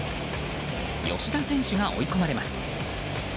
吉田選手が追い込まれます。